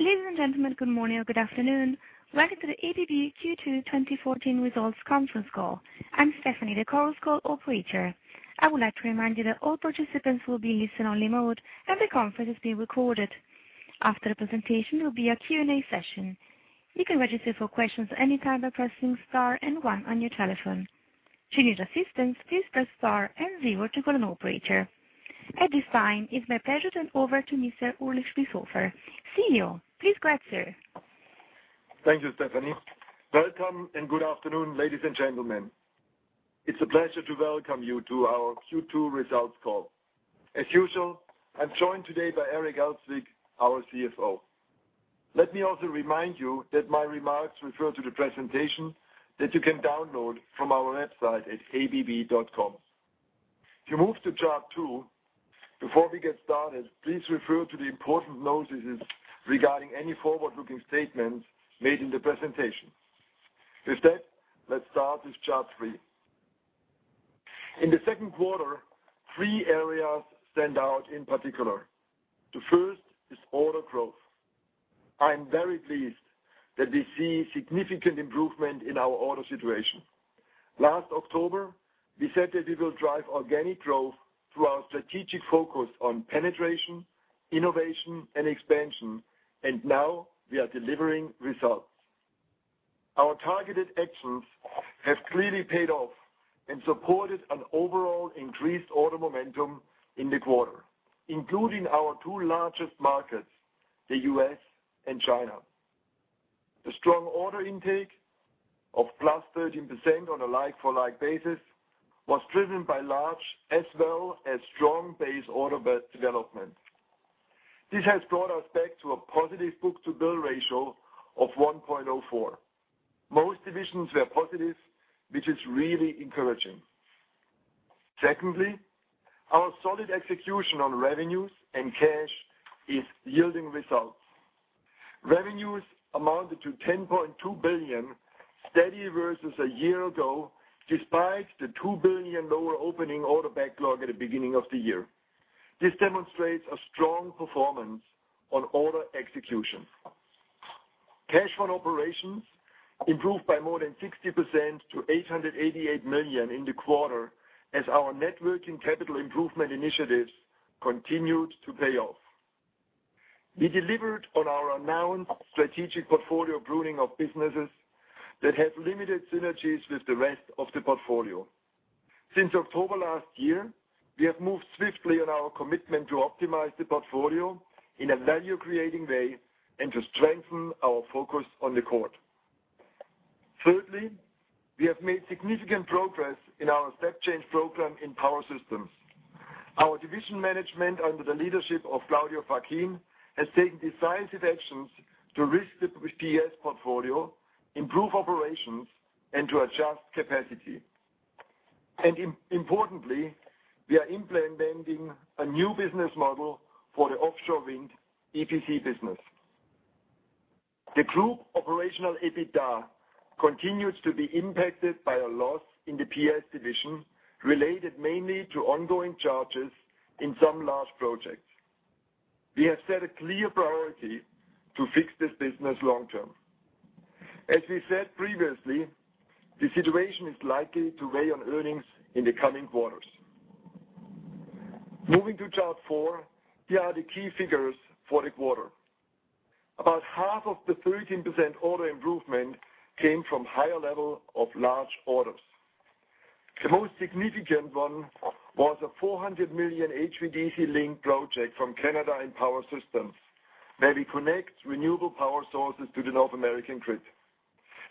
Ladies and gentlemen, good morning or good afternoon. Welcome to the ABB Q2 2014 results conference call. I'm Stephanie, the call's operator. I would like to remind you that all participants will be in listen-only mode, and the conference is being recorded. After the presentation, there will be a Q&A session. You can register for questions any time by pressing Star and One on your telephone. To need assistance, please press Star and Zero to call an operator. At this time, it's my pleasure to hand over to Mr. Ulrich Spiesshofer, CEO. Please go ahead, sir. Thank you, Stephanie. Welcome, and good afternoon, ladies and gentlemen. It's a pleasure to welcome you to our Q2 results call. As usual, I'm joined today by Eric Elzvik, our CFO. Let me also remind you that my remarks refer to the presentation that you can download from our website at abb.com. If you move to Chart two, before we get started, please refer to the important notices regarding any forward-looking statements made in the presentation. With that, let's start with Chart three. In the second quarter, three areas stand out in particular. The first is order growth. I am very pleased that we see significant improvement in our order situation. Last October, we said that we will drive organic growth through our strategic focus on penetration, innovation and expansion. Now we are delivering results. Our targeted actions have clearly paid off and supported an overall increased order momentum in the quarter, including our two largest markets, the U.S. and China. The strong order intake of plus 13% on a like-for-like basis was driven by large as well as strong base order development. This has brought us back to a positive book-to-bill ratio of 1.04. Most divisions were positive, which is really encouraging. Secondly, our solid execution on revenues and cash is yielding results. Revenues amounted to $10.2 billion, steady versus a year ago, despite the $2 billion lower opening order backlog at the beginning of the year. This demonstrates a strong performance on order execution. Cash from operations improved by more than 60% to $888 million in the quarter as our net working capital improvement initiatives continued to pay off. We delivered on our announced strategic portfolio pruning of businesses that have limited synergies with the rest of the portfolio. Since October last year, we have moved swiftly on our commitment to optimize the portfolio in a value-creating way and to strengthen our focus on the core. Thirdly, we have made significant progress in our step change program in Power Systems. Our division management, under the leadership of Claudio Facchin, has taken decisive actions to risk the PS portfolio, improve operations, and to adjust capacity. Importantly, we are implementing a new business model for the offshore wind EPC business. The group operational EBITDA continues to be impacted by a loss in the PS division, related mainly to ongoing charges in some large projects. We have set a clear priority to fix this business long-term. As we said previously, the situation is likely to weigh on earnings in the coming quarters. Moving to Chart 4, here are the key figures for the quarter. About half of the 13% order improvement came from higher level of large orders. The most significant one was a $400 million HVDC link project from Canada in Power Systems, where we connect renewable power sources to the North American grid.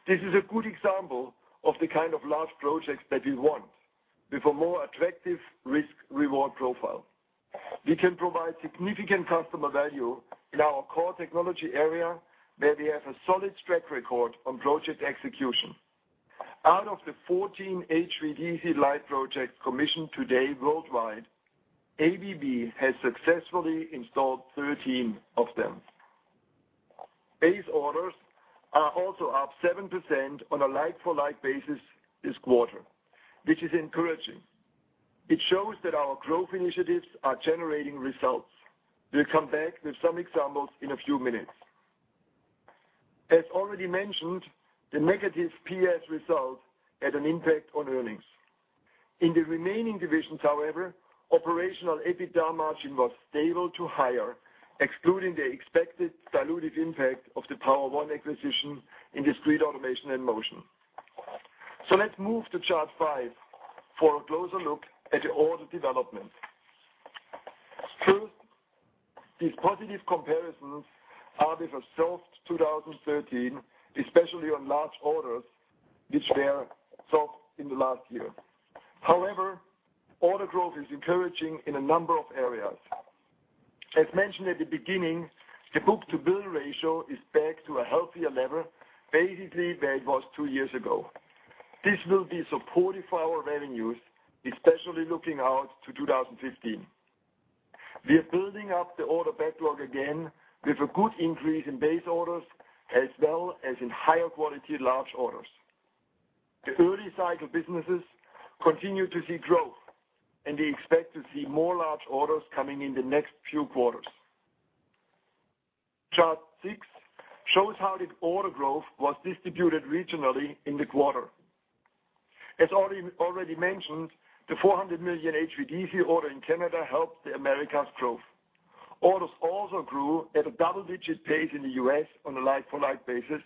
This is a good example of the kind of large projects that we want with a more attractive risk-reward profile. We can provide significant customer value in our core technology area, where we have a solid track record on project execution. Out of the 14 HVDC Light projects commissioned today worldwide, ABB has successfully installed 13 of them. Base orders are also up 7% on a like-for-like basis this quarter, which is encouraging. It shows that our growth initiatives are generating results. We'll come back with some examples in a few minutes. As already mentioned, the negative PS result had an impact on earnings. In the remaining divisions, however, operational EBITDA margin was stable to higher, excluding the expected dilutive impact of the Power-One acquisition in Discrete Automation and Motion. Let's move to Chart 5 for a closer look at the order development. First, these positive comparisons are with a soft 2013, especially on large orders, which were soft in the last year. However, order growth is encouraging in a number of areas. As mentioned at the beginning, the book-to-bill ratio is back to a healthier level, basically where it was two years ago. This will be supportive for our revenues, especially looking out to 2015. We are building up the order backlog again with a good increase in Base orders as well as in higher quality large orders. The early cycle businesses continue to see growth, and we expect to see more large orders coming in the next few quarters. Chart six shows how the order growth was distributed regionally in the quarter. As already mentioned, the $400 million HVDC order in Canada helped the Americas growth. Orders also grew at a double-digit pace in the U.S. on a like-for-like basis,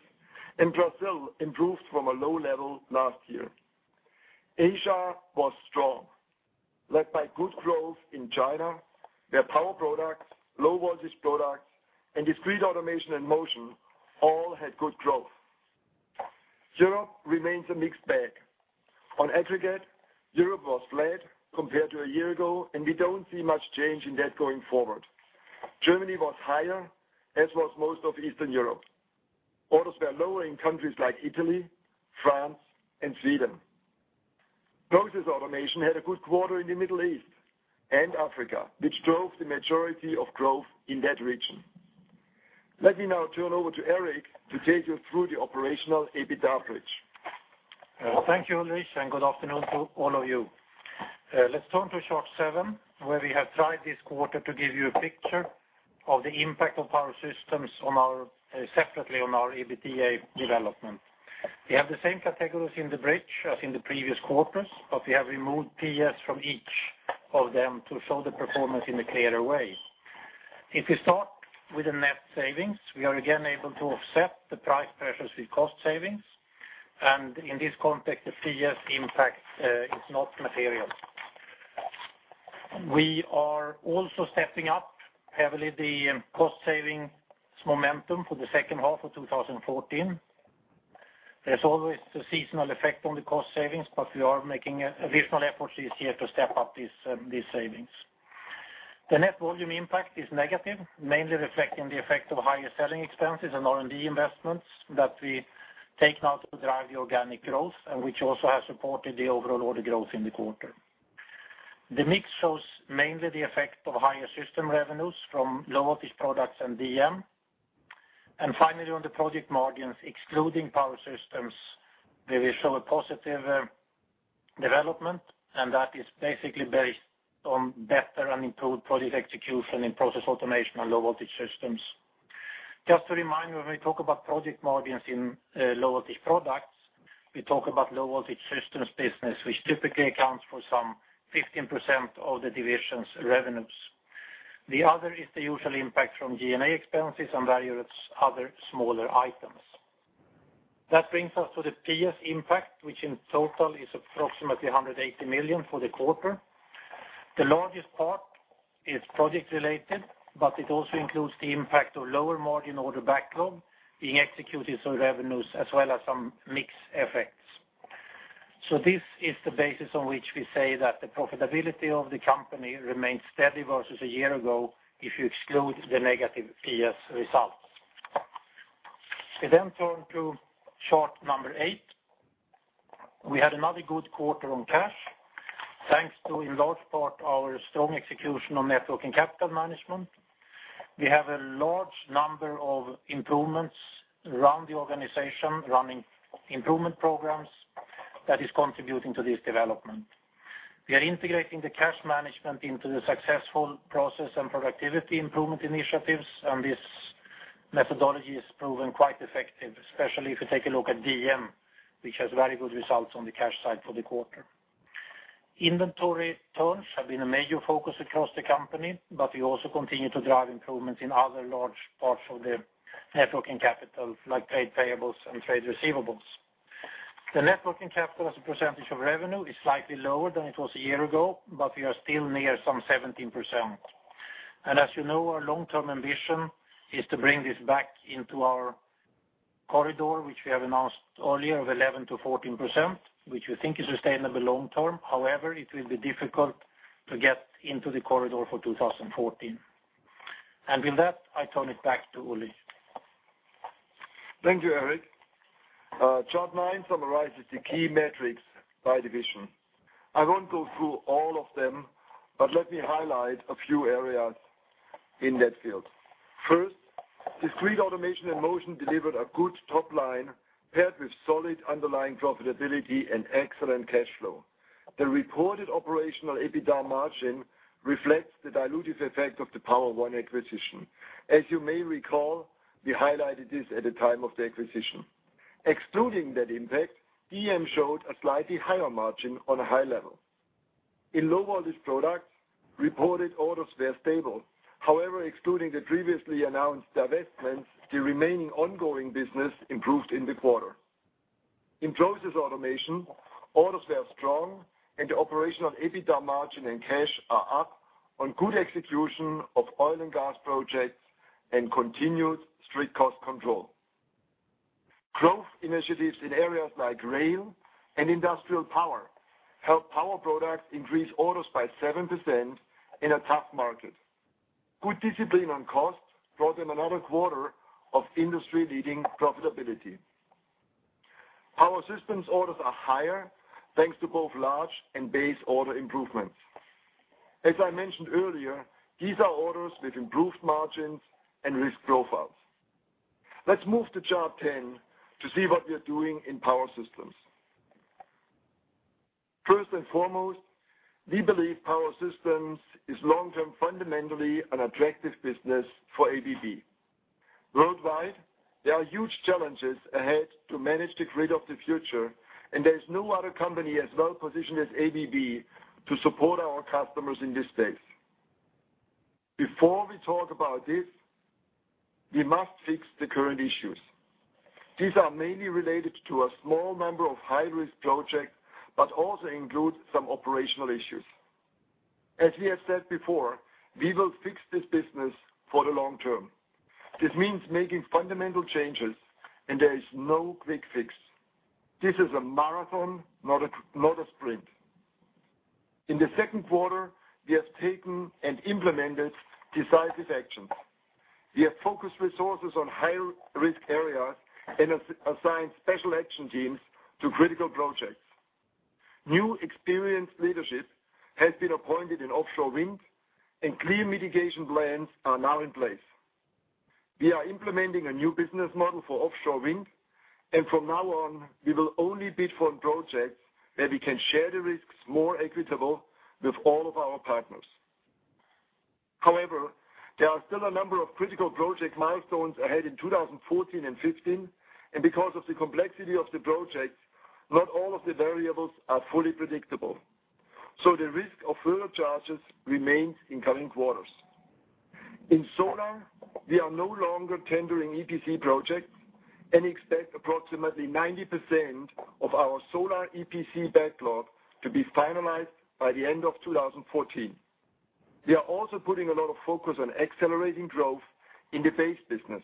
and Brazil improved from a low level last year. Asia was strong, led by good growth in China, where Power Products, Low Voltage Products, and Discrete Automation and Motion all had good growth. Europe remains a mixed bag. On aggregate, Europe was flat compared to a year ago, and we don't see much change in that going forward. Germany was higher, as was most of Eastern Europe. Orders were lower in countries like Italy, France, and Sweden. Process Automation had a good quarter in the Middle East and Africa, which drove the majority of growth in that region. Let me now turn over to Eric to take you through the operational EBITDA bridge. Thank you, Ulrich. Good afternoon to all of you. Let's turn to chart seven, where we have tried this quarter to give you a picture of the impact of Power Systems separately on our EBITDA development. We have the same categories in the bridge as in the previous quarters. We have removed PS from each of them to show the performance in a clearer way. If you start with the net savings, we are again able to offset the price pressures with cost savings. In this context, the PS impact is not material. We are also stepping up heavily the cost savings momentum for the second half of 2014. There's always the seasonal effect on the cost savings. We are making additional efforts this year to step up these savings. The net volume impact is negative, mainly reflecting the effect of higher selling expenses and R&D investments that we take now to drive the organic growth and which also has supported the overall order growth in the quarter. The mix shows mainly the effect of higher system revenues from Low Voltage Products and DM. Finally, on the project margins, excluding Power Systems, where we show a positive development. That is basically based on better and improved project execution in Process Automation and Low Voltage Systems. Just to remind you, when we talk about project margins in Low Voltage Products, we talk about Low Voltage Systems business, which typically accounts for some 15% of the division's revenues. The other is the usual impact from G&A expenses and value at other smaller items. That brings us to the PS impact, which in total is approximately $180 million for the quarter. The largest part is project-related. It also includes the impact of lower margin order backlog being executed, so revenues as well as some mix effects. This is the basis on which we say that the profitability of the company remains steady versus a year ago if you exclude the negative PS results. We turn to chart number eight. We had another good quarter on cash, thanks to in large part our strong execution on net working capital management. We have a large number of improvements around the organization, running improvement programs that is contributing to this development. We are integrating the cash management into the successful process and productivity improvement initiatives. This methodology has proven quite effective, especially if you take a look at DM, which has very good results on the cash side for the quarter. Inventory turns have been a major focus across the company. We also continue to drive improvements in other large parts of the networking capital, like trade payables and trade receivables. The networking capital as a percentage of revenue is slightly lower than it was a year ago. We are still near some 17%. As you know, our long-term ambition is to bring this back into our corridor, which we have announced earlier, of 11%-14%, which we think is sustainable long term. However, it will be difficult to get into the corridor for 2014. With that, I turn it back to Uli. Thank you, Eric. Chart nine summarizes the key metrics by division. I won't go through all of them, but let me highlight a few areas in that field. First, Discrete Automation and Motion delivered a good top line paired with solid underlying profitability and excellent cash flow. The reported operational EBITDA margin reflects the dilutive effect of the Power-One acquisition. As you may recall, we highlighted this at the time of the acquisition. Excluding that impact, DM showed a slightly higher margin on a high level. In Low Voltage Products, reported orders were stable. However, excluding the previously announced divestments, the remaining ongoing business improved in the quarter. In Process Automation, orders were strong and the operational EBITDA margin and cash are up on good execution of oil and gas projects and continued strict cost control. Growth initiatives in areas like rail and industrial power helped Power Products increase orders by 7% in a tough market. Good discipline on cost brought them another quarter of industry-leading profitability. Power Systems orders are higher, thanks to both large and Base order improvements. As I mentioned earlier, these are orders with improved margins and risk profiles. Let's move to Chart 10 to see what we are doing in Power Systems. First and foremost, we believe Power Systems is long-term, fundamentally an attractive business for ABB. Worldwide, there are huge challenges ahead to manage the grid of the future, and there is no other company as well-positioned as ABB to support our customers in this space. Before we talk about this, we must fix the current issues. These are mainly related to a small number of high-risk projects, but also include some operational issues. As we have said before, we will fix this business for the long term. This means making fundamental changes, and there is no quick fix. This is a marathon, not a sprint. In the second quarter, we have taken and implemented decisive action. We have focused resources on high-risk areas and assigned special action teams to critical projects. New experienced leadership has been appointed in offshore wind, and clear mitigation plans are now in place. We are implementing a new business model for offshore wind, and from now on, we will only bid for projects where we can share the risks more equitable with all of our partners. However, there are still a number of critical project milestones ahead in 2014 and 2015, and because of the complexity of the projects, not all of the variables are fully predictable. The risk of further charges remains in coming quarters. In solar, we are no longer tendering EPC projects and expect approximately 90% of our solar EPC backlog to be finalized by the end of 2014. We are also putting a lot of focus on accelerating growth in the base business.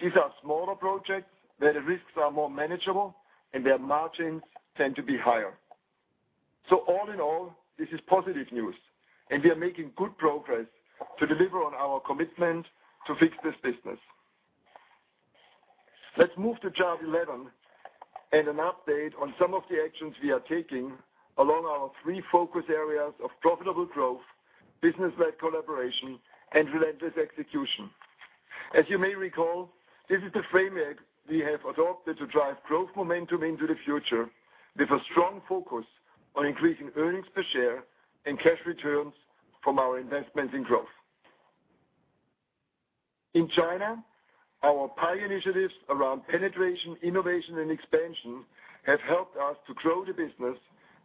These are smaller projects where the risks are more manageable, and their margins tend to be higher. All in all, this is positive news, and we are making good progress to deliver on our commitment to fix this business. Let's move to Chart 11 and an update on some of the actions we are taking along our three focus areas of profitable growth, business-led collaboration, and relentless execution. As you may recall, this is the framework we have adopted to drive growth momentum into the future with a strong focus on increasing earnings per share and cash returns from our investments in growth. In China, our PIE initiatives around penetration, innovation, and expansion have helped us to grow the business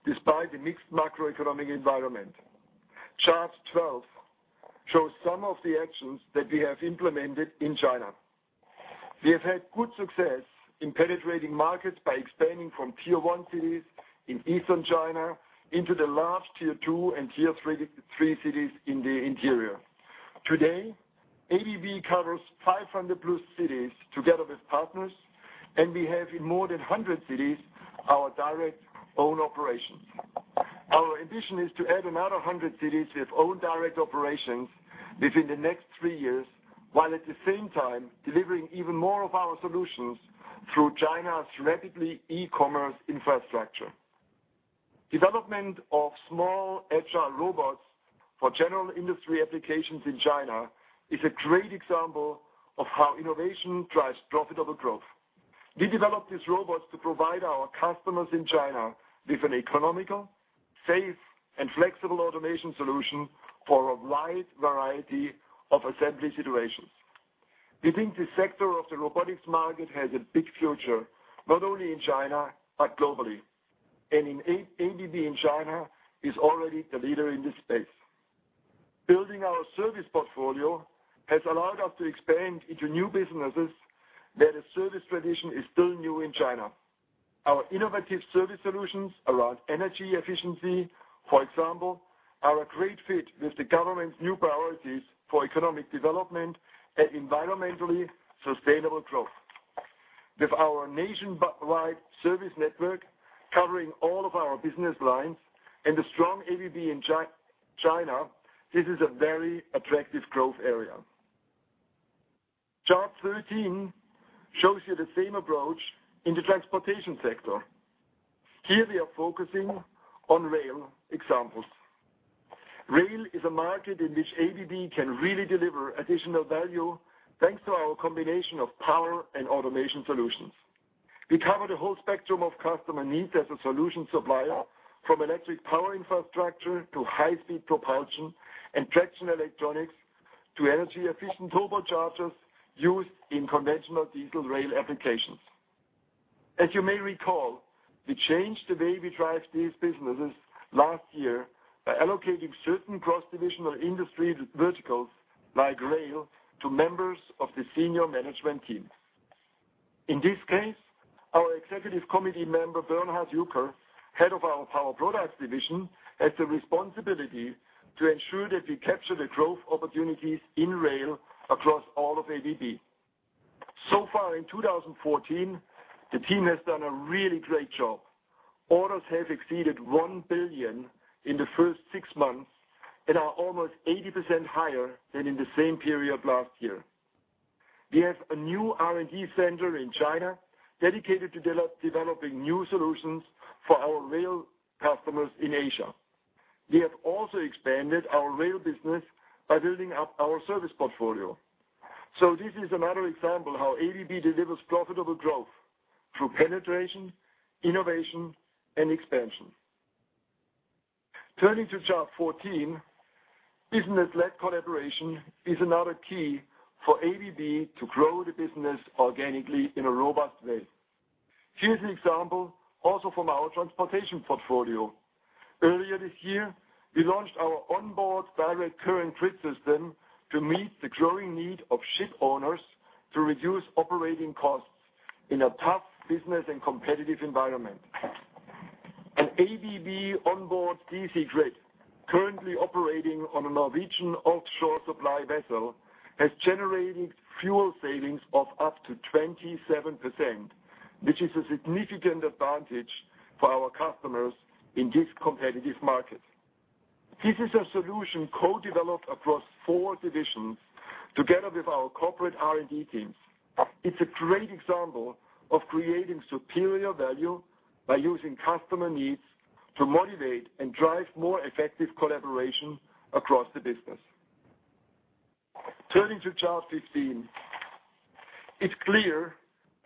despite the mixed macroeconomic environment. Chart 12 shows some of the actions that we have implemented in China. We have had good success in penetrating markets by expanding from Tier 1 cities in Eastern China into the large Tier 2 and Tier 3 cities in the interior. Today, ABB covers 500-plus cities together with partners, and we have in more than 100 cities our direct own operations. Our ambition is to add another 100 cities with own direct operations within the next three years, while at the same time delivering even more of our solutions through China's rapidly e-commerce infrastructure. Development of small HR robots for general industry applications in China is a great example of how innovation drives profitable growth. We developed these robots to provide our customers in China with an economical, safe, and flexible automation solution for a wide variety of assembly situations. We think this sector of the robotics market has a big future, not only in China but globally. ABB in China is already the leader in this space. Building our service portfolio has allowed us to expand into new businesses where the service tradition is still new in China. Our innovative service solutions around energy efficiency, for example, are a great fit with the government's new priorities for economic development and environmentally sustainable growth. With our nationwide service network covering all of our business lines and the strong ABB in China, this is a very attractive growth area. Chart 13 shows you the same approach in the transportation sector. Here we are focusing on rail examples. Rail is a market in which ABB can really deliver additional value, thanks to our combination of power and automation solutions. We cover the whole spectrum of customer needs as a solution supplier, from electric power infrastructure to high-speed propulsion and traction electronics, to energy-efficient turbochargers used in conventional diesel rail applications. As you may recall, we changed the way we drive these businesses last year by allocating certain cross-divisional industry verticals, like rail, to members of the senior management team. In this case, our executive committee member, Bernhard Jucker, head of our Power Products division, has the responsibility to ensure that we capture the growth opportunities in rail across all of ABB. So far in 2014, the team has done a really great job. Orders have exceeded $1 billion in the first six months and are almost 80% higher than in the same period last year. We have a new R&D center in China dedicated to developing new solutions for our rail customers in Asia. We have also expanded our rail business by building up our service portfolio. This is another example how ABB delivers profitable growth through penetration, innovation, and expansion. Turning to Chart 14, business-led collaboration is another key for ABB to grow the business organically in a robust way. Here's an example also from our transportation portfolio. Earlier this year, we launched our Onboard DC Grid system to meet the growing need of ship owners to reduce operating costs in a tough business and competitive environment. An ABB Onboard DC Grid currently operating on a Norwegian offshore supply vessel has generated fuel savings of up to 27%, which is a significant advantage for our customers in this competitive market. This is a solution co-developed across four divisions together with our corporate R&D teams. It's a great example of creating superior value by using customer needs to motivate and drive more effective collaboration across the business. Turning to chart 15, it's clear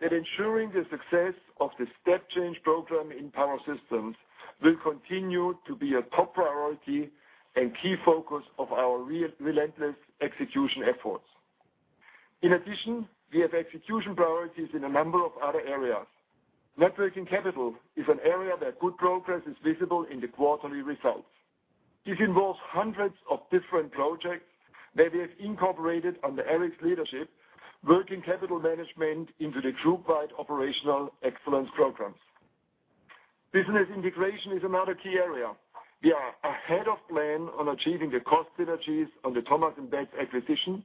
that ensuring the success of the step change program in Power Systems will continue to be a top priority and key focus of our relentless execution efforts. In addition, we have execution priorities in a number of other areas. Networking capital is an area that good progress is visible in the quarterly results. This involves hundreds of different projects that we have incorporated under Eric's leadership, working capital management into the group-wide operational excellence programs. Business integration is another key area. We are ahead of plan on achieving the cost synergies on the Thomas & Betts acquisition,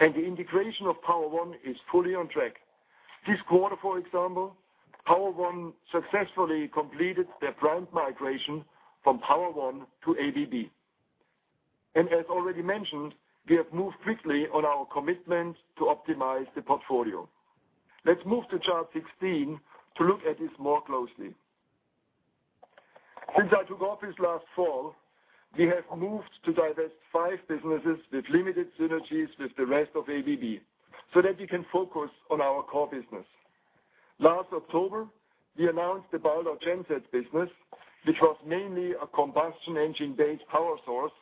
and the integration of Power-One is fully on track. This quarter, for example, Power-One successfully completed their brand migration from Power-One to ABB. As already mentioned, we have moved quickly on our commitment to optimize the portfolio. Let's move to chart 16 to look at this more closely. Since I took office last fall, we have moved to divest five businesses with limited synergies with the rest of ABB so that we can focus on our core business. Last October, we announced the Baldor genset business, which was mainly a combustion engine-based power source,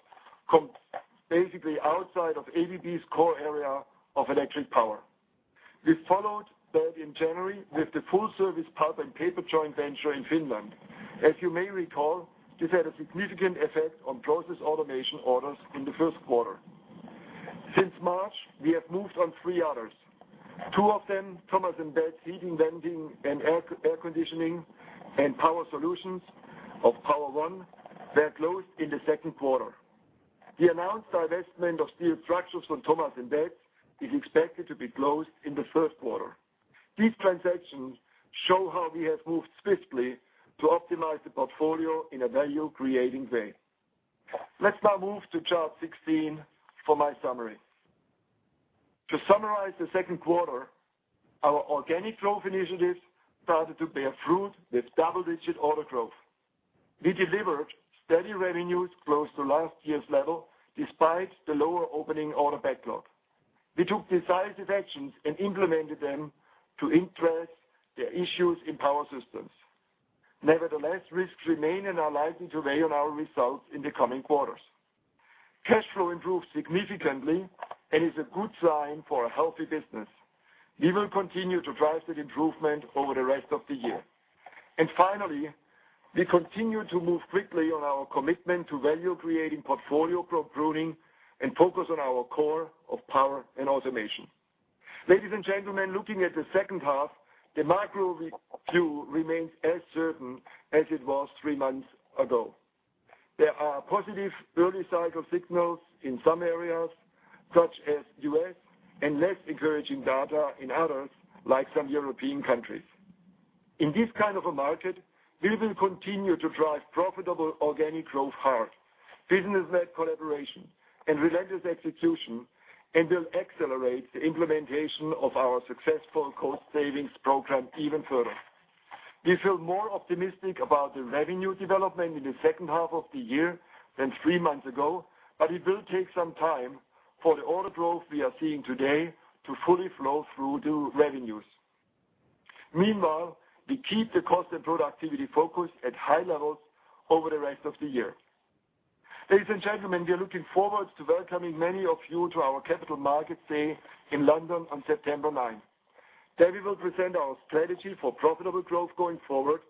basically outside of ABB's core area of electric power. We followed that in January with the full-service pulp and paper joint venture in Finland. As you may recall, this had a significant effect on Process Automation orders in the first quarter. Since March, we have moved on three others, two of them, Thomas & Betts heating, vending, and air conditioning, and power solutions of Power-One were closed in the second quarter. The announced divestment of steel structures from Thomas & Betts is expected to be closed in the first quarter. These transactions show how we have moved swiftly to optimize the portfolio in a value-creating way. Let's now move to chart 16 for my summary. To summarize the second quarter, our organic growth initiatives started to bear fruit with double-digit order growth. We delivered steady revenues close to last year's level, despite the lower opening order backlog. We took decisive actions and implemented them to address the issues in Power Systems. Nevertheless, risks remain and are likely to weigh on our results in the coming quarters. Cash flow improved significantly and is a good sign for a healthy business. We will continue to drive that improvement over the rest of the year. Finally, we continue to move quickly on our commitment to value-creating portfolio pruning and focus on our core of power and automation. Ladies and gentlemen, looking at the second half, the macro view remains as certain as it was three months ago. There are positive early cycle signals in some areas, such as the U.S., and less encouraging data in others, like some European countries. In this kind of a market, we will continue to drive profitable organic growth hard, business-led collaboration and relentless execution, will accelerate the implementation of our successful cost savings program even further. We feel more optimistic about the revenue development in the second half of the year than three months ago, it will take some time for the order growth we are seeing today to fully flow through to revenues. We keep the cost and productivity focus at high levels over the rest of the year. Ladies and gentlemen, we are looking forward to welcoming many of you to our Capital Markets Day in London on September 9th. There we will present our strategy for profitable growth going forward,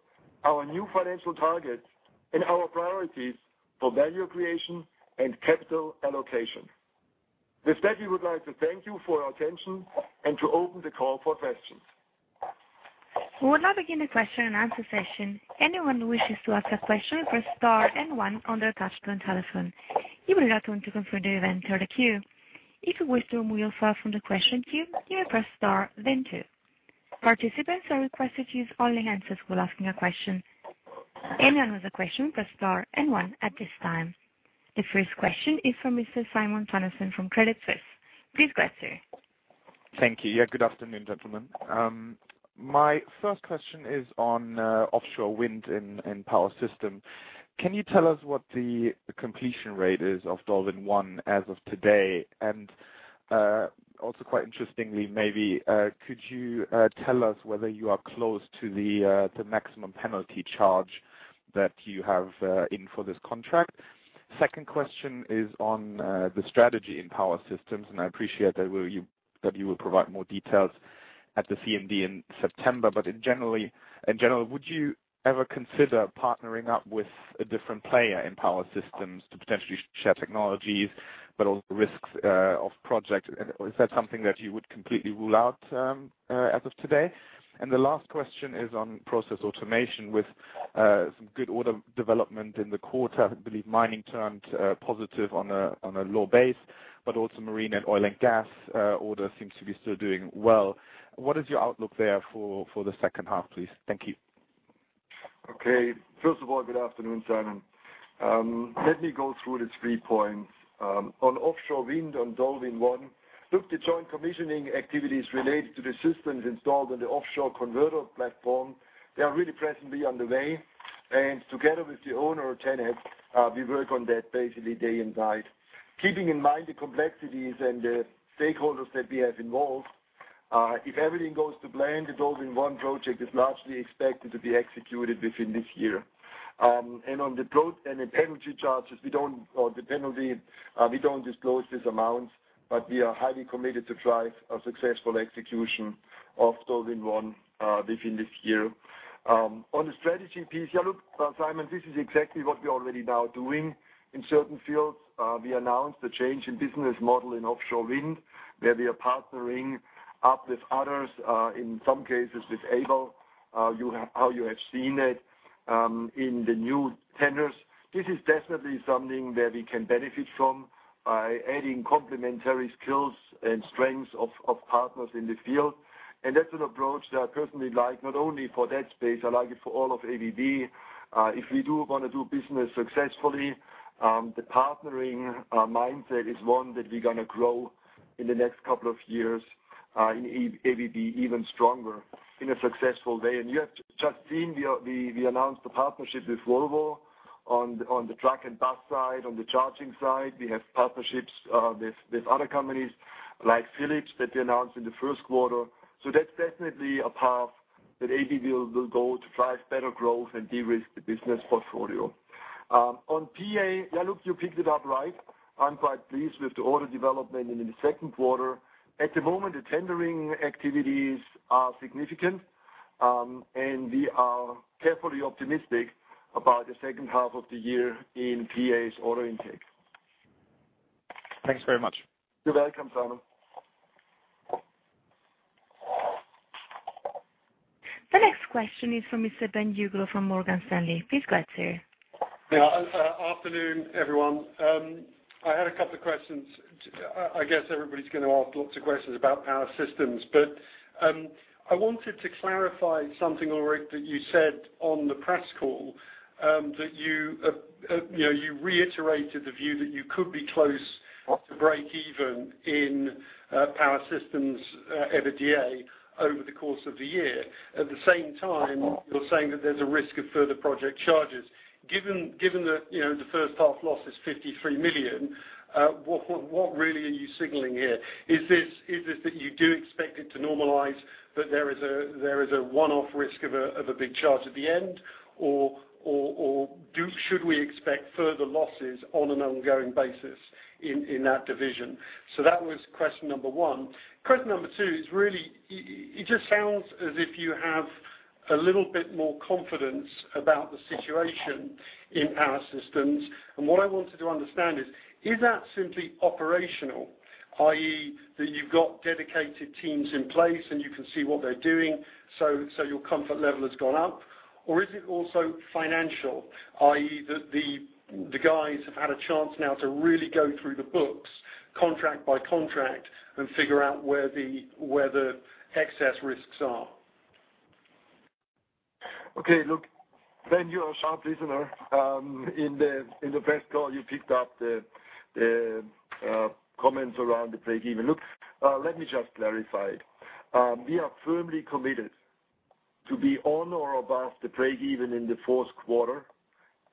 our new financial targets, and our priorities for value creation and capital allocation. With that, we would like to thank you for your attention and to open the call for questions. We will now begin the question and answer session. Anyone who wishes to ask a question, press star and one on their touch-tone telephone. You will not want to. [unintelligible] If you wish to remove yourself from the question queue, you may press star then two. Participants are requested to [unintelligible] when asking a question. Anyone with a question, press star and one at this time. The first question is from Mr. Simon Tonnesson from Credit Suisse. Please go ahead, sir. Thank you. Good afternoon, gentlemen. My first question is on offshore wind and Power Systems. Can you tell us what the completion rate is of DolWin1 as of today? Also quite interestingly, maybe, could you tell us whether you are close to the maximum penalty charge that you have in for this contract? Second question is on the strategy in Power Systems, and I appreciate that you will provide more details at the CMD in September, but in general, would you ever consider partnering up with a different player in Power Systems to potentially share technologies but also risks of project? Is that something that you would completely rule out as of today? The last question is on Process Automation with some good order development in the quarter. I believe mining turned positive on a low base, also marine and oil and gas order seems to be still doing well. What is your outlook there for the second half, please? Thank you. Okay. First of all, good afternoon, Simon. Let me go through these three points. On offshore wind on DolWin1, look, the joint commissioning activities related to the systems installed on the offshore converter platform, they are really presently underway. Together with the owner, TenneT, we work on that basically day and night. Keeping in mind the complexities and the stakeholders that we have involved, if everything goes to plan, the DolWin1 project is largely expected to be executed within this year. On the penalty charges, we don't disclose these amounts, but we are highly committed to drive a successful execution of DolWin1 within this year. On the strategy piece, look, Simon, this is exactly what we're already now doing in certain fields. We announced the change in business model in offshore wind, where we are partnering up with others, in some cases with Aibel, how you have seen it in the new tenders. This is definitely something where we can benefit from by adding complementary skills and strengths of partners in the field. That's an approach that I personally like, not only for that space, I like it for all of ABB. If we do want to do business successfully, the partnering mindset is one that we're going to grow in the next couple of years in ABB even stronger in a successful way. You have just seen, we announced the partnership with Volvo on the truck and bus side, on the charging side. We have partnerships with other companies like Philips that we announced in the first quarter. That's definitely a path that ABB will go to drive better growth and de-risk the business portfolio. On PA, look, you picked it up right. I'm quite pleased with the order development in the second quarter. At the moment, the tendering activities are significant, and we are carefully optimistic about the second half of the year in PA's order intake. Thanks very much. You're welcome, Simon. The next question is from Mr. Ben Uglow from Morgan Stanley. Please go ahead, sir. Afternoon, everyone. I had a couple of questions. I guess everybody's going to ask lots of questions about Power Systems, but I wanted to clarify something, Ulrich, that you said on the press call, that you reiterated the view that you could be close to breakeven in Power Systems, EBITDA over the course of the year. At the same time, you're saying that there's a risk of further project charges. Given that the first half loss is $53 million, what really are you signaling here? Is this that you do expect it to normalize, but there is a one-off risk of a big charge at the end? Or should we expect further losses on an ongoing basis in that division? So that was question number 1. Question number 2 is really, it just sounds as if you have a little bit more confidence about the situation in Power Systems. What I wanted to understand is that simply operational, i.e., that you've got dedicated teams in place and you can see what they're doing, so your comfort level has gone up? Or is it also financial, i.e., that the guys have had a chance now to really go through the books contract by contract and figure out where the excess risks are? Okay. Look, Ben, you're a sharp listener. In the press call, you picked up the comments around the breakeven. Look, let me just clarify. We are firmly committed to be on or above the breakeven in the fourth quarter,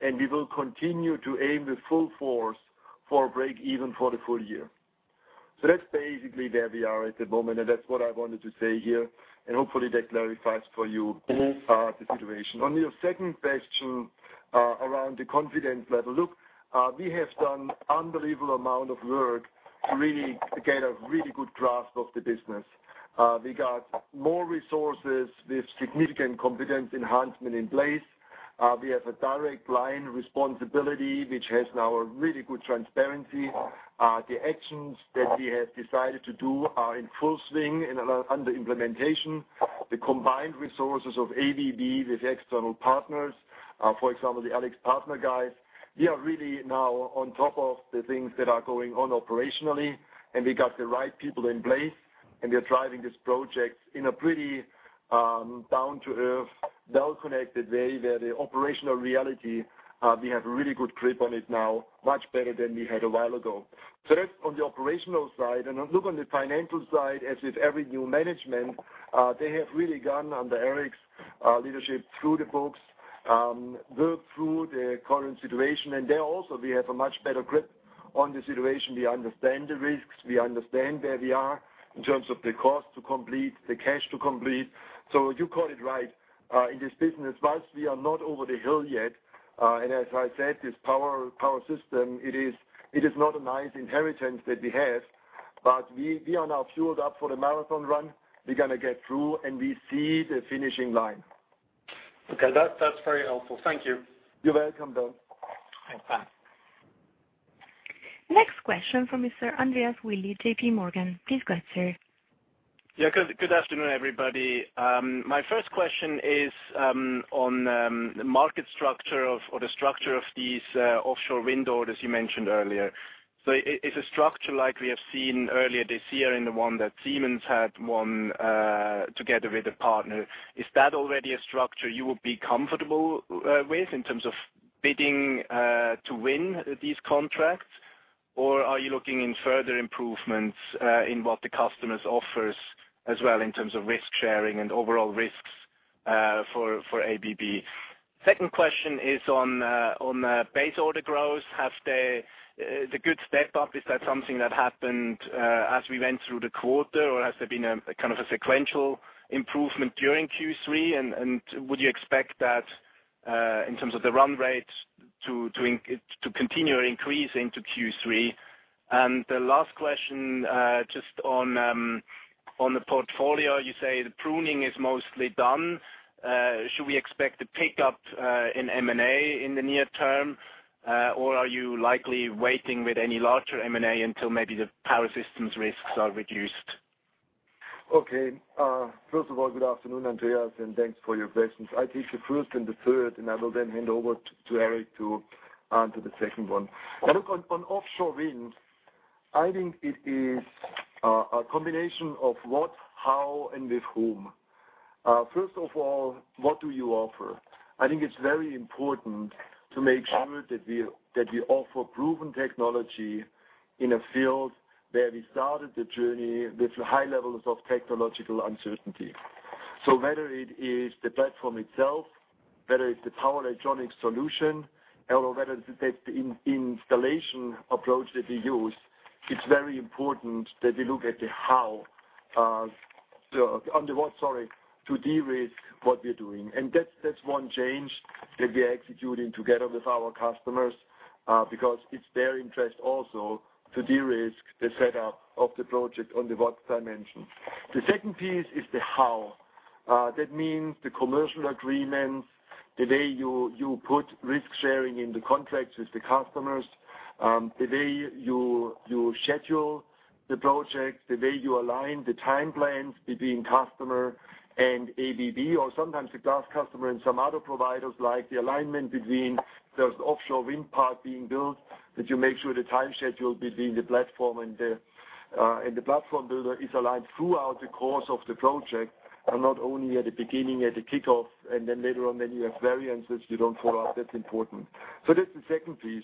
and we will continue to aim with full force for a breakeven for the full year. That's basically where we are at the moment, and that's what I wanted to say here, and hopefully that clarifies for you the situation. On your second question, around the confidence level. We have done unbelievable amount of work to really get a really good grasp of the business. We got more resources with significant competence enhancement in place. We have a direct line responsibility, which has now a really good transparency. The actions that we have decided to do are in full swing and under implementation. The combined resources of ABB with external partners, for example, the AlixPartners partner guys, we are really now on top of the things that are going on operationally, and we got the right people in place. We are driving this project in a pretty down-to-earth, well-connected way, where the operational reality, we have really good grip on it now, much better than we had a while ago. That's on the operational side. On the financial side, as with every new management, they have really gone under Eric's leadership through the books, worked through the current situation, and there also we have a much better grip on the situation. We understand the risks, we understand where we are in terms of the cost to complete, the cash to complete. You caught it right. In this business, whilst we are not over the hill yet, and as I said, this Power System, it is not a nice inheritance that we have, we are now fueled up for the marathon run. We're going to get through, and we see the finishing line. Okay. That's very helpful. Thank you. You're welcome, Bill. Thanks. Next question from Mr. Andreas Willi, JPMorgan. Please go ahead, sir. Good afternoon, everybody. My first question is on the market structure or the structure of these offshore wind orders you mentioned earlier. If a structure like we have seen earlier this year in the one that Siemens had won together with a partner, is that already a structure you would be comfortable with in terms of bidding to win these contracts? Or are you looking in further improvements in what the customers offers as well in terms of risk-sharing and overall risks for ABB? Second question is on Base order growth. The good step up, is that something that happened as we went through the quarter, or has there been a kind of a sequential improvement during Q3? Would you expect that in terms of the run rate to continue increasing to Q3? The last question, just on the portfolio, you say the pruning is mostly done. Should we expect a pickup in M&A in the near term? Or are you likely waiting with any larger M&A until maybe the Power Systems risks are reduced? Okay. First of all, good afternoon, Andreas, thanks for your questions. I will take the first and the third, I will then hand over to Eric to answer the second one. Now look, on offshore wind, I think it is a combination of what, how, and with whom. First of all, what do you offer? I think it's very important to make sure that we offer proven technology in a field where we started the journey with high levels of technological uncertainty. Whether it is the platform itself, whether it's the power electronic solution, or whether it's the installation approach that we use, it's very important that we look at the what, sorry, to de-risk what we're doing. That's one change that we are executing together with our customers because it's their interest also to de-risk the setup of the project on the what dimension. The second piece is the how. That means the commercial agreements, the way you put risk sharing in the contracts with the customers, the way you schedule the projects, the way you align the time plans between customer and ABB or sometimes the global customer and some other providers, like the alignment between those offshore wind park being built, that you make sure the time schedule between the platform and the platform builder is aligned throughout the course of the project and not only at the beginning, at the kickoff, later on, then you have variances you don't want. That's important. That's the second piece.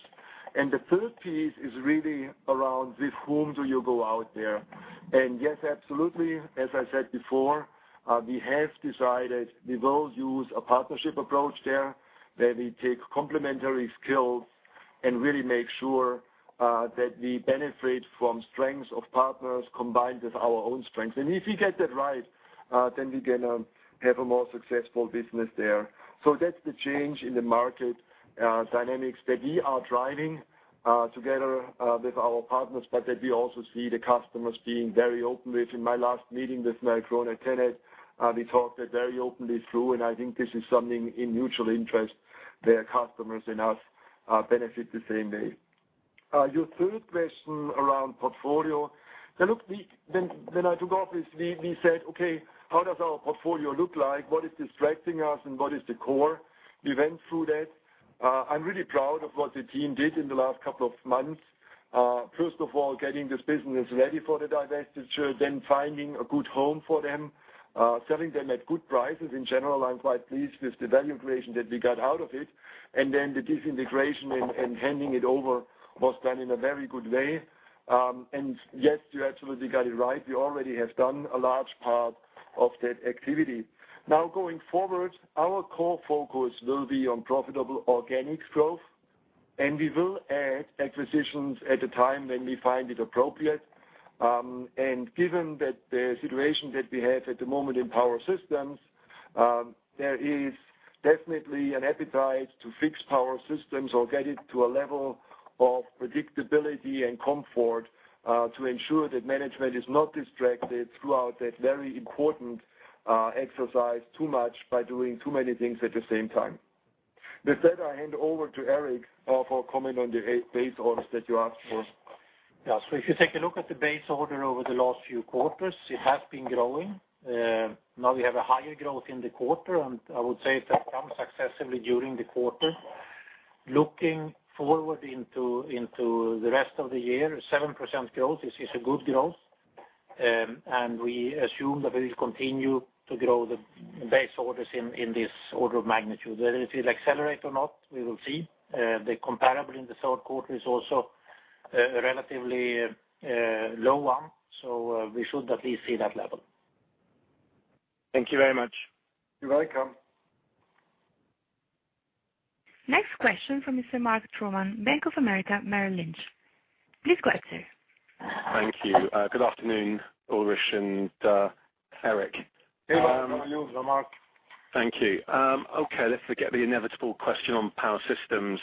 The third piece is really around with whom do you go out there? Yes, absolutely, as I said before, we have decided we will use a partnership approach there, where we take complementary skills and really make sure that we benefit from strengths of partners combined with our own strengths. If we get that right, then we're going to have a more successful business there. That's the change in the market dynamics that we are driving together with our partners, that we also see the customers being very open with. In my last meeting with Mel Kroon at TenneT, we talked that very openly through, I think this is something in mutual interest, where customers and us benefit the same way. Your third question around portfolio. Now look, when I took office, we said, "Okay, how does our portfolio look like? What is distracting us, what is the core?" We went through that. I'm really proud of what the team did in the last couple of months. First of all, getting this business ready for the divestiture, then finding a good home for them, selling them at good prices. In general, I'm quite pleased with the value creation that we got out of it. Then the disintegration and handing it over was done in a very good way. Yes, you absolutely got it right. We already have done a large part of that activity. Now going forward, our core focus will be on profitable organic growth, we will add acquisitions at the time when we find it appropriate. Given that the situation that we have at the moment in Power Systems, there is definitely an appetite to fix Power Systems or get it to a level of predictability and comfort to ensure that management is not distracted throughout that very important exercise too much by doing too many things at the same time. With that, I hand over to Eric for comment on the base orders that you asked for. If you take a look at the base order over the last few quarters, it has been growing. Now we have a higher growth in the quarter, and I would say that comes successively during the quarter. Looking forward into the rest of the year, 7% growth is a good growth. We assume that we will continue to grow the base orders in this order of magnitude. Whether it will accelerate or not, we will see. The comparable in the third quarter is also a relatively low one, so we should at least see that level. Thank you very much. You're welcome. Next question from Mr. Mark Troman, Bank of America Merrill Lynch. Please go ahead, sir. Thank you. Good afternoon, Ulrich and Eric. Hey, Mark. How are you, Mark? Thank you. Okay, let's forget the inevitable question on Power Systems.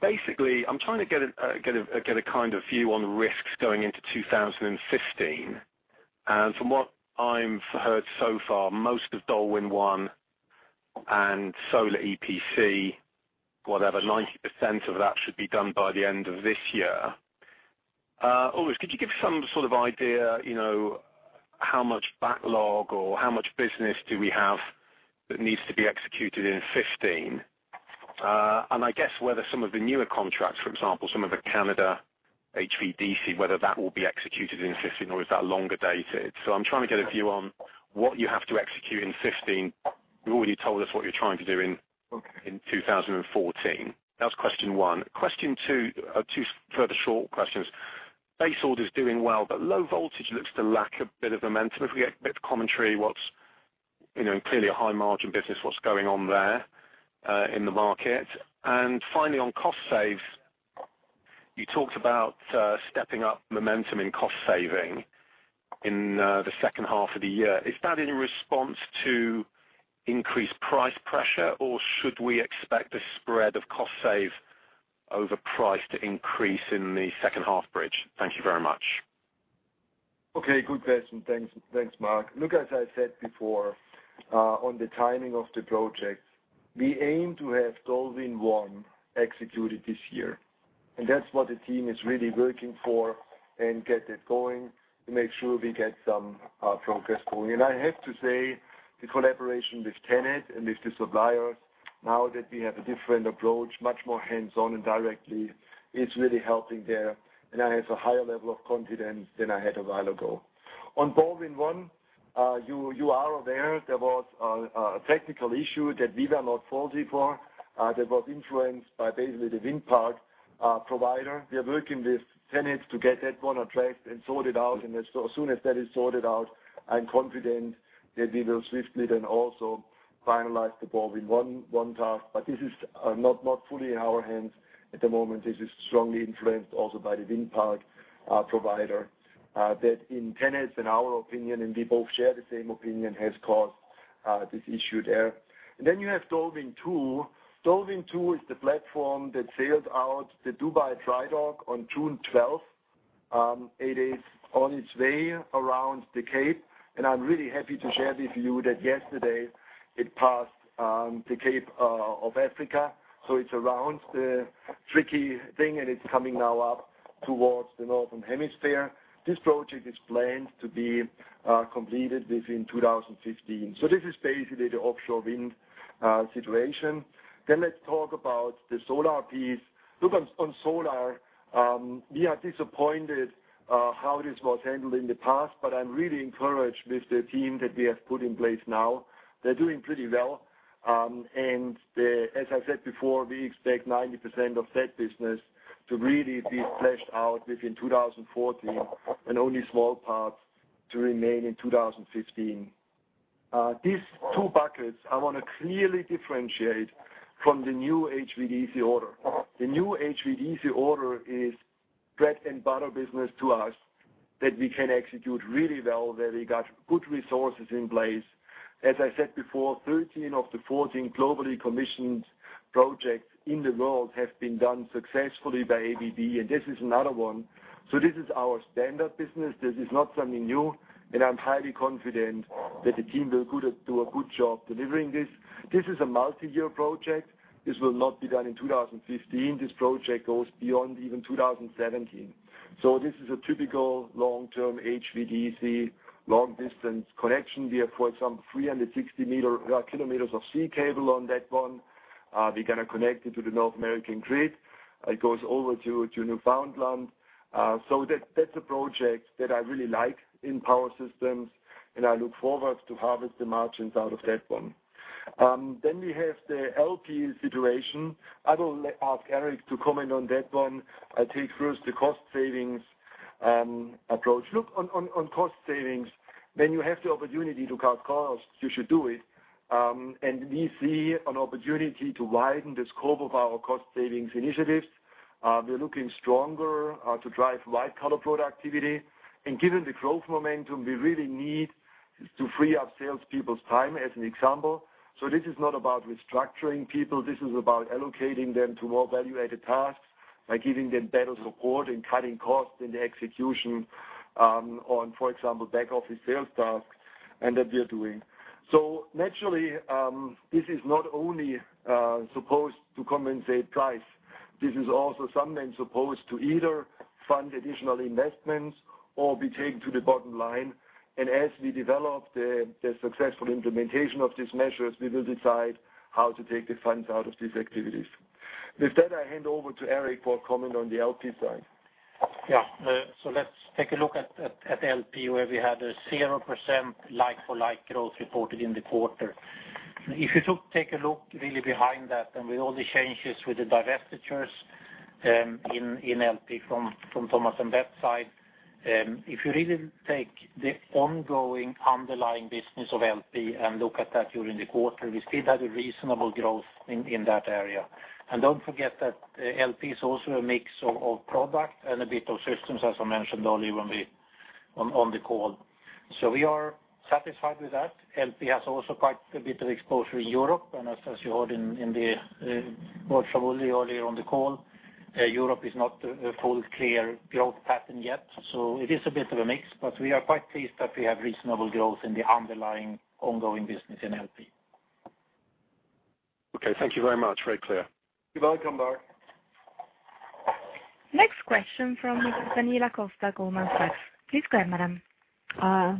Basically, I'm trying to get a kind of view on risks going into 2015. From what I've heard so far, most of DolWin1 and Solar EPC, whatever, 90% of that should be done by the end of this year. Ulrich, could you give some sort of idea, how much backlog or how much business do we have that needs to be executed in 2015? And I guess whether some of the newer contracts, for example, some of the Canada HVDC, whether that will be executed in 2015 or is that longer dated. I'm trying to get a view on what you have to execute in 2015. You already told us what you're trying to do in 2014. That was question one. Question two further short questions. Base load is doing well, but low voltage looks to lack a bit of momentum. If we get a bit of commentary, clearly a high margin business, what's going on there in the market? Finally, on cost saves, you talked about stepping up momentum in cost saving in the second half of the year. Is that in response to increased price pressure, or should we expect a spread of cost save over price to increase in the second half bridge? Thank you very much. Okay. Good question. Thanks, Mark. Look, as I said before, on the timing of the project, we aim to have DolWin1 executed this year, and that's what the team is really working for and get it going to make sure we get some progress going. I have to say, the collaboration with TenneT and with the suppliers, now that we have a different approach, much more hands-on and directly, it's really helping there. I have a higher level of confidence than I had a while ago. On DolWin1, you are aware there was a technical issue that we were not faulty for, that was influenced by basically the wind park provider. We are working with TenneT to get that one on track and sort it out. As soon as that is sorted out, I'm confident that we will swiftly then also finalize the DolWin1 task. This is not fully in our hands at the moment. This is strongly influenced also by the wind park provider. That in TenneT's and our opinion, and we both share the same opinion, has caused this issue there. You have DolWin2. DolWin2 is the platform that sailed out the Dubai dry dock on June 12th. It is on its way around the Cape, and I'm really happy to share with you that yesterday it passed the Cape of Africa, so it's around the tricky thing, and it's coming now up towards the northern hemisphere. This project is planned to be completed within 2015. This is basically the offshore wind situation. Let's talk about the solar piece. Look, on solar, we are disappointed how this was handled in the past, but I'm really encouraged with the team that we have put in place now. They're doing pretty well. As I said before, we expect 90% of that business to really be fleshed out within 2014 and only small parts to remain in 2015. These two buckets I want to clearly differentiate from the new HVDC order. The new HVDC order is bread and butter business to us that we can execute really well, where we got good resources in place. As I said before, 13 of the 14 globally commissioned projects in the world have been done successfully by ABB, and this is another one. This is our standard business. This is not something new, and I'm highly confident that the team will do a good job delivering this. This is a multi-year project. This will not be done in 2015. This project goes beyond even 2017. This is a typical long-term HVDC long-distance connection. We have, for example, 360 kilometers of sea cable on that one. We're going to connect it to the North American grid. It goes over to Newfoundland. That's a project that I really like in Power Systems, and I look forward to harvest the margins out of that one. We have the LP situation. I will ask Eric to comment on that one. I take first the cost savings approach. Look, on cost savings, when you have the opportunity to cut costs, you should do it. We see an opportunity to widen the scope of our cost savings initiatives. We're looking stronger to drive white collar productivity. Given the growth momentum, we really need to free up salespeople's time as an example. This is not about restructuring people. This is about allocating them to more value-added tasks by giving them better support and cutting costs in the execution on, for example, back office sales tasks, and that we are doing. Naturally, this is not only supposed to compensate price. This is also sometimes supposed to either fund additional investments or be taken to the bottom line. As we develop the successful implementation of these measures, we will decide how to take the funds out of these activities. With that, I hand over to Eric for a comment on the LP side. Let's take a look at LP, where we had a 0% like-for-like growth reported in the quarter. If you take a look really behind that and with all the changes with the divestitures in LP from Thomas & Betts side, if you really take the ongoing underlying business of LP and look at that during the quarter, we still had a reasonable growth in that area. Don't forget that LP is also a mix of product and a bit of systems, as I mentioned earlier on the call. We are satisfied with that. LP has also quite a bit of exposure in Europe, and as you heard in the call from Uli earlier on the call, Europe is not a full clear growth pattern yet. It is a bit of a mix, but we are quite pleased that we have reasonable growth in the underlying ongoing business in LP. Okay. Thank you very much. Very clear. You're welcome, Mark. Next question from Daniela Costa, Goldman Sachs. Please go ahead, madam.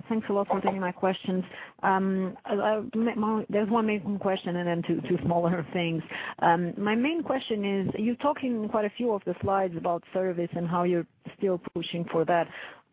Thanks a lot for taking my questions. There's one main question and then two smaller things. My main question is, you're talking quite a few of the slides about service and how you're still pushing for that.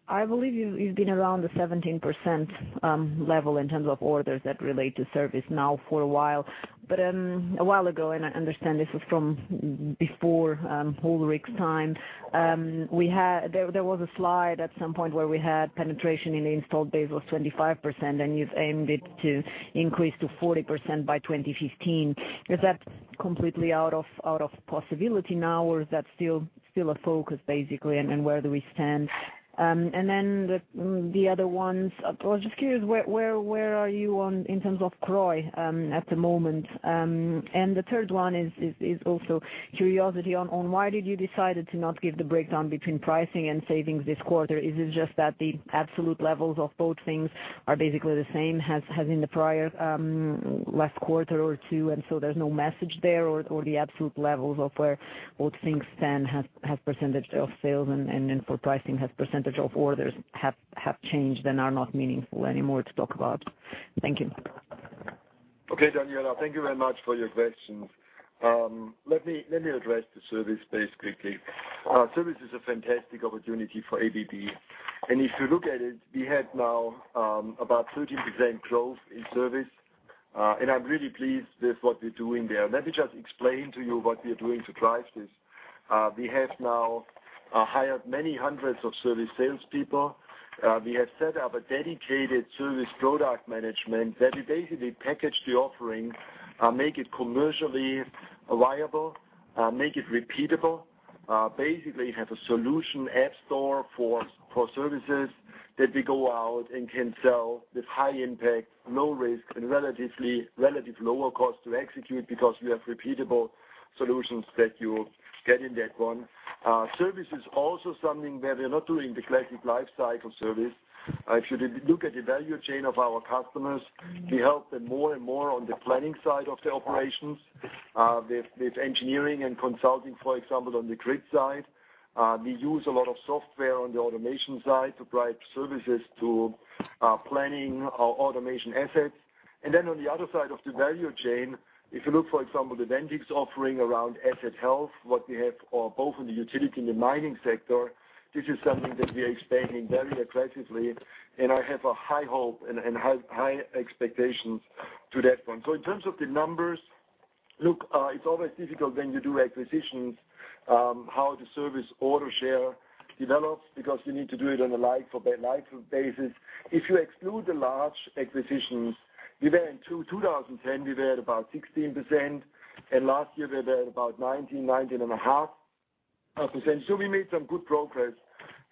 I believe you've been around the 17% level in terms of orders that relate to service now for a while. A while ago, and I understand this was from before Ulrich's time, there was a slide at some point where we had penetration in the installed base was 25%, and you've aimed it to increase to 40% by 2015. Is that completely out of possibility now, or is that still a focus, basically, and where do we stand? The other ones, I was just curious, where are you in terms of CROI at the moment? The third one is also curiosity on why did you decide to not give the breakdown between pricing and savings this quarter? Is it just that the absolute levels of both things are basically the same as in the prior last quarter or 2, there's no message there? The absolute levels of where both things stand have % of sales and then for pricing has % of orders have changed and are not meaningful anymore to talk about? Thank you. Okay, Daniela. Thank you very much for your questions. Let me address the service piece quickly. Service is a fantastic opportunity for ABB. If you look at it, we have now about 13% growth in service. I'm really pleased with what we're doing there. Let me just explain to you what we are doing to drive this. We have now hired many hundreds of service salespeople. We have set up a dedicated service product management where we basically package the offering, make it commercially viable, make it repeatable. Basically have a solution app store for services that we go out and can sell with high impact, low risk, and relative lower cost to execute because we have repeatable solutions that you get in that one. Service is also something where we're not doing the classic life cycle service. If you look at the value chain of our customers, we help them more and more on the planning side of the operations with engineering and consulting, for example, on the grid side. We use a lot of software on the automation side to provide services to planning our automation assets. On the other side of the value chain, if you look, for example, the Ventyx offering around asset health, what we have both in the utility and the mining sector, this is something that we are expanding very aggressively, and I have a high hope and high expectations to that one. In terms of the numbers, look, it's always difficult when you do acquisitions, how the service order share develops because you need to do it on a like-for-like basis. If you exclude the large acquisitions, in 2010, we were at about 16%, and last year, we were at about 19%, 19.5%. We made some good progress,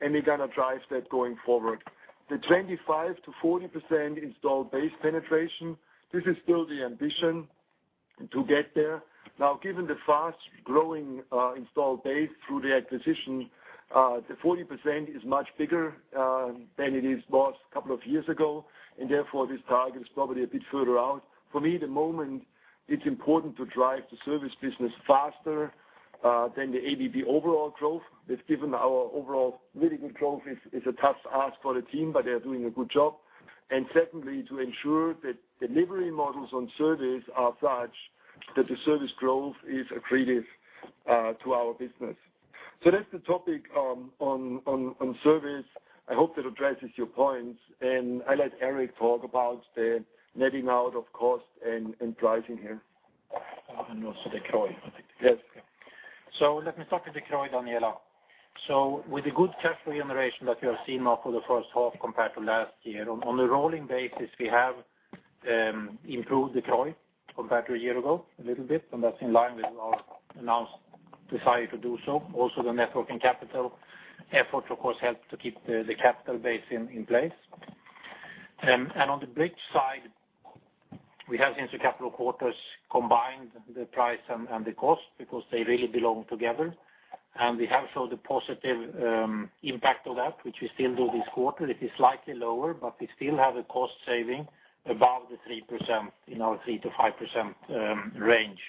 and we're going to drive that going forward. The 25%-40% installed base penetration, this is still the ambition to get there. Given the fast-growing installed base through the acquisition, the 40% is much bigger than it was a couple of years ago, and therefore, this target is probably a bit further out. For me, at the moment, it's important to drive the service business faster than the ABB overall growth, because given our overall very good growth is a tough ask for the team, but they are doing a good job. Secondly, to ensure that delivery models on service are such that the service growth is accretive to our business. That's the topic on service. I hope that addresses your points. I let Eric talk about the netting out of cost and pricing here. Also the CROI, I think. Yes. Let me start with the CROI, Daniela. With the good cash flow generation that you have seen now for the first half compared to last year, on a rolling basis, we have improved the CROI compared to a year ago a little bit, and that's in line with our announced desire to do so. Also, the net working capital effort, of course, helped to keep the capital base in place. On the bridge side, we have since the capital quarters combined the price and the cost because they really belong together. We have showed the positive impact of that, which we still do this quarter. It is slightly lower, but we still have a cost saving above the 3%, in our 3%-5% range.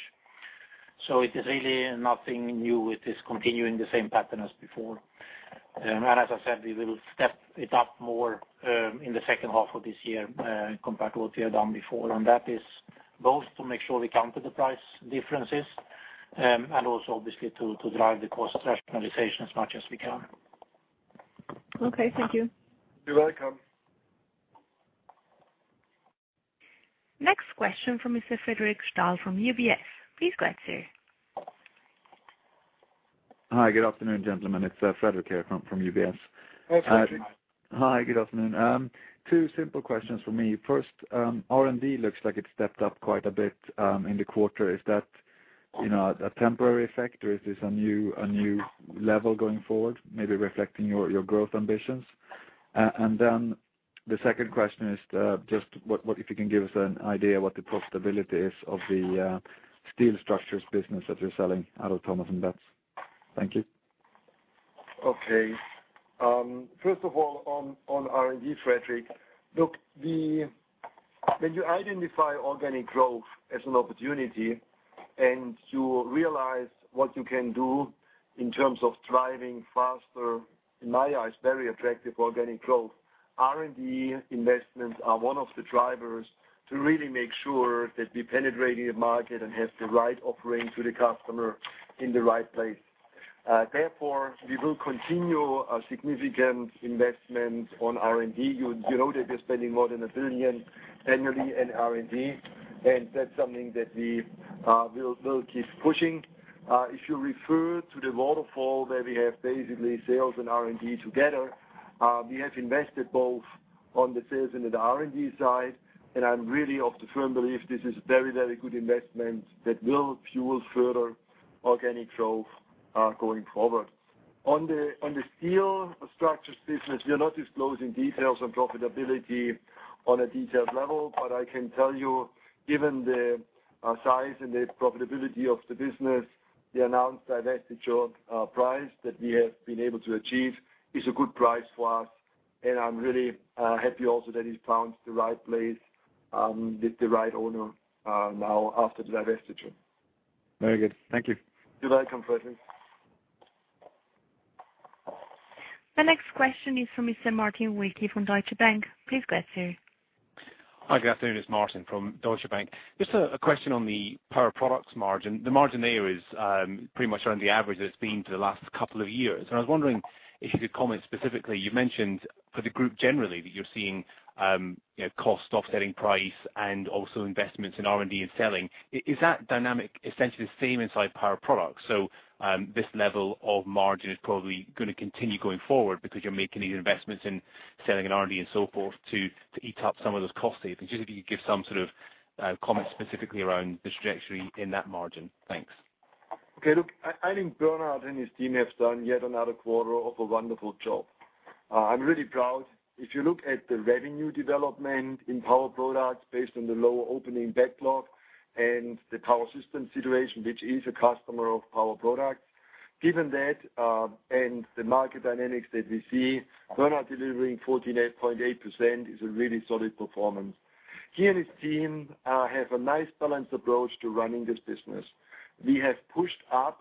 It is really nothing new. It is continuing the same pattern as before. As I said, we will step it up more in the second half of this year, compared to what we have done before. That is both to make sure we counter the price differences, and also obviously to drive the cost rationalization as much as we can. Okay, thank you. You're welcome. Next question from Mr. Fredric Stahl from UBS. Please go ahead, sir. Hi, good afternoon, gentlemen. It's Fredric here from UBS. Hi, Fredrik. Hi, good afternoon. Two simple questions for me. First, R&D looks like it stepped up quite a bit in the quarter. Is that a temporary effect, or is this a new level going forward, maybe reflecting your growth ambitions? The second question is just if you can give us an idea what the profitability is of the steel structures business that you're selling out of Thomas & Betts. Thank you. Okay. First of all, on R&D, Fredrik. Look, when you identify organic growth as an opportunity and you realize what you can do in terms of driving faster, in my eyes, very attractive organic growth, R&D investments are one of the drivers to really make sure that we penetrate the market and have the right offering to the customer in the right place. Therefore, we will continue our significant investment on R&D. You know that we are spending more than $1 billion annually in R&D, that's something that we will keep pushing. If you refer to the waterfall where we have basically sales and R&D together, we have invested both on the sales and on the R&D side, I'm really of the firm belief this is a very good investment that will fuel further organic growth, going forward. On the steel structures business, we are not disclosing details on profitability on a detailed level. I can tell you, given the size and the profitability of the business, the announced divestiture price that we have been able to achieve is a good price for us, I'm really happy also that it found the right place, with the right owner, now after divestiture. Very good. Thank you. You're welcome, Fredric. The next question is from Mr. Martin Wilkie from Deutsche Bank. Please go ahead, sir. Hi, good afternoon. It's Martin from Deutsche Bank. Just a question on the Power Products margin. The margin there is pretty much around the average that it's been for the last couple of years, I was wondering if you could comment specifically. You mentioned for the group generally that you're seeing cost offsetting price and also investments in R&D and selling. Is that dynamic essentially the same inside Power Products? This level of margin is probably going to continue going forward because you're making these investments in selling and R&D and so forth to eat up some of those cost savings. If you could just give some sort of comment specifically around the trajectory in that margin. Thanks. Okay, look, I think Bernhard and his team have done yet another quarter of a wonderful job. I'm really proud. If you look at the revenue development in Power Products based on the lower opening backlog and the Power Systems situation, which is a customer of Power Products. Given that, and the market dynamics that we see, Bernhard delivering 14.8% is a really solid performance. He and his team have a nice balanced approach to running this business. We have pushed up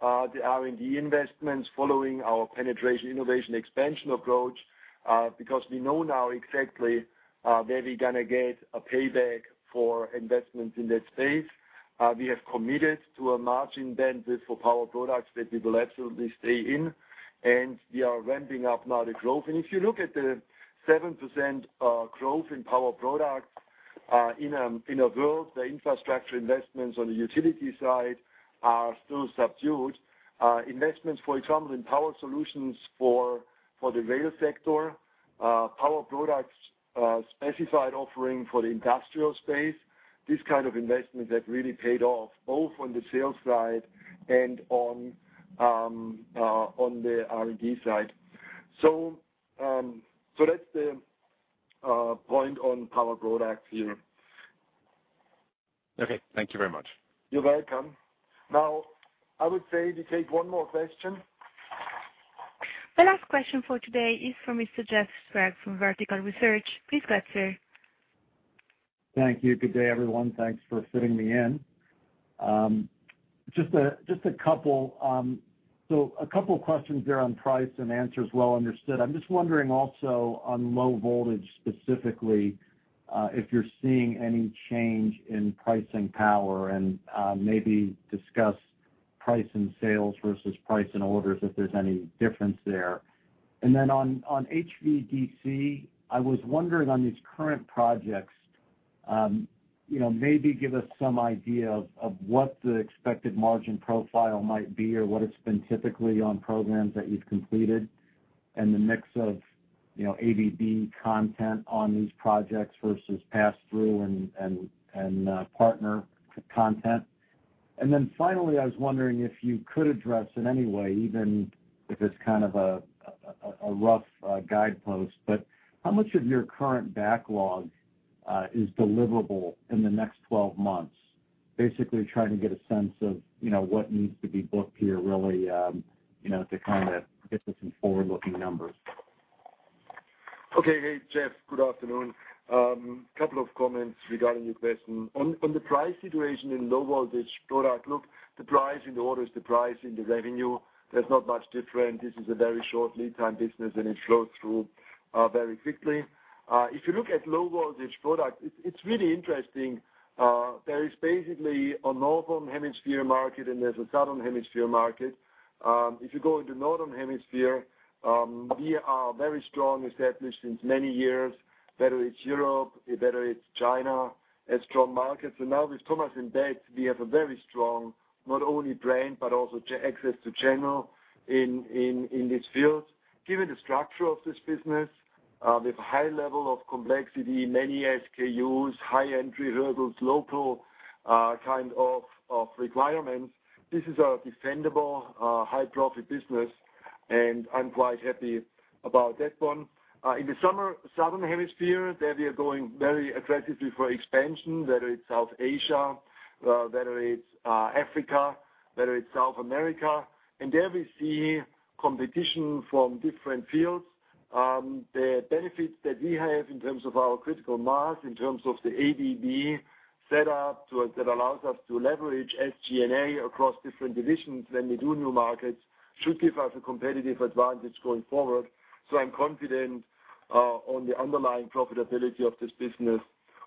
the R&D investments following our penetration, innovation, expansion approach, because we know now exactly where we're going to get a payback for investments in that space. We have committed to a margin band for Power Products that we will absolutely stay in. We are ramping up now the growth. If you look at the 7% growth in Power Products, in a world where infrastructure investments on the utility side are still subdued. Investments, for example, in power solutions for the rail sector, Power Products specified offering for the industrial space. These kind of investments have really paid off, both on the sales side and on the R&D side. That's the point on Power Products here. Okay. Thank you very much. You're welcome. Now, I would say we take one more question. The last question for today is from Mr. Jeff Sprague from Vertical Research. Please go ahead, sir. Thank you. Good day, everyone. Thanks for fitting me in. Just a couple questions there on price, answer is well understood. I'm just wondering also on Low Voltage specifically, if you're seeing any change in pricing power and maybe discuss price in sales versus price in orders, if there's any difference there. On HVDC, I was wondering on these current projects, maybe give us some idea of what the expected margin profile might be or what it's been typically on programs that you've completed and the mix of ABB content on these projects versus pass-through and partner content. Finally, I was wondering if you could address in any way, even if it's kind of a rough guidepost, but how much of your current backlog is deliverable in the next 12 months? Basically, trying to get a sense of what needs to be booked here, really to get some forward-looking numbers. Okay. Hey, Jeff, good afternoon. Couple of comments regarding your question. On the price situation in Low Voltage Products. Look, the price in the order is the price in the revenue. There's not much different. This is a very short lead time business, it flows through very quickly. If you look at Low Voltage Products, it's really interesting. There is basically a northern hemisphere market and there's a southern hemisphere market. If you go into northern hemisphere, we are very strong established since many years, whether it's Europe, whether it's China, as strong markets. Now with Thomas & Betts, we have a very strong not only brand, but also access to channel in this field. Given the structure of this business, with high level of complexity, many SKUs, high entry hurdles, local kind of requirements. This is a defendable, high profit business, I'm quite happy about that one. In the southern hemisphere, there we are going very aggressively for expansion, whether it's South Asia, whether it's Africa, whether it's South America. There we see competition from different fields. The benefits that we have in terms of our critical mass, in terms of the ABB set up to, that allows us to leverage SG&A across different divisions when we do new markets, should give us a competitive advantage going forward. I'm confident on the underlying profitability of this business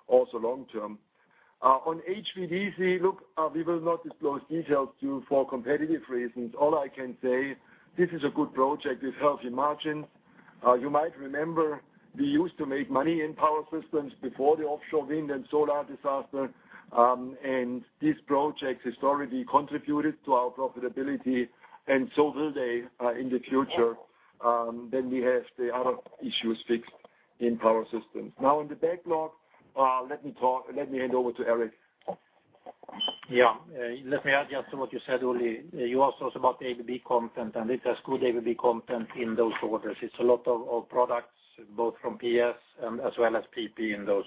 also long term. On HVDC, look, we will not disclose details to you for competitive reasons. All I can say, this is a good project with healthy margins. You might remember we used to make money in Power Systems before the offshore wind and solar disaster. This project historically contributed to our profitability and so will they, in the future, we have the other issues fixed in Power Systems. In the backlog, let me hand over to Eric. Yeah. Let me add just to what you said, Uli. You asked us about the ABB content, it has good ABB content in those orders. It's a lot of products, both from PS and as well as PP in those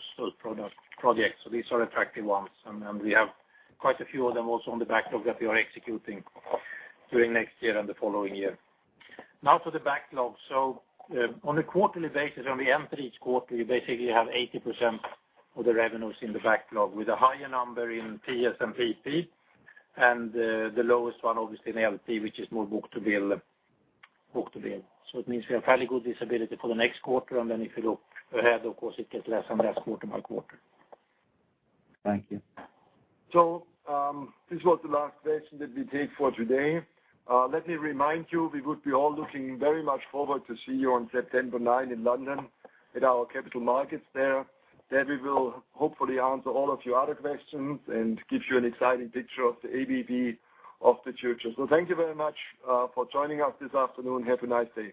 projects. These are attractive ones, and we have quite a few of them also on the backlog that we are executing during next year and the following year. To the backlog. On a quarterly basis, when we enter each quarter, we basically have 80% of the revenues in the backlog with a higher number in PS and PP. The lowest one obviously in LP, which is more book-to-bill. It means we have fairly good visibility for the next quarter, and then if you look ahead, of course it gets less and less quarter by quarter. Thank you. This was the last question that we take for today. Let me remind you, we would be all looking very much forward to see you on September 9 in London at our Capital Markets Day. There we will hopefully answer all of your other questions and give you an exciting picture of the ABB of the future. Thank you very much for joining us this afternoon. Have a nice day.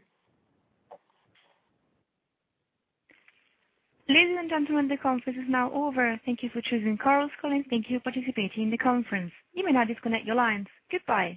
Ladies and gentlemen, the conference is now over. Thank you for choosing Chorus Call, and thank you for participating in the conference. You may now disconnect your lines. Goodbye.